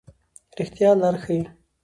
رښتیا لار ښيي.